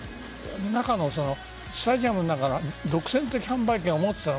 スタジアムの中の独占的販売権を持っていた。